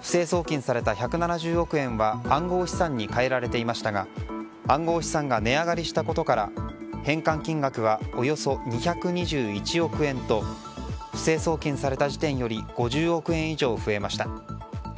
不正送金された１７０億円は暗号資産に換えられていましたが暗号資産が値上がりしたことから返還金額はおよそ２２１億円と不正送金された時点より５０億円以上増えました。